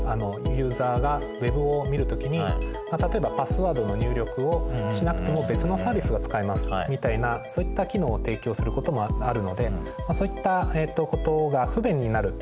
ユーザがＷｅｂを見る時に例えばパスワードの入力をしなくても別のサービスが使えますみたいなそういった機能を提供することもあるのでそういったことが不便になるってこともあるので。